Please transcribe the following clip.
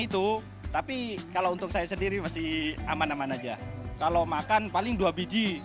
itu tapi kalau untuk saya sendiri masih aman aman aja kalau makan paling dua biji